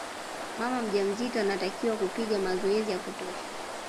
mama mjamzito anatakiwa kupiga mazoezi ya kutosha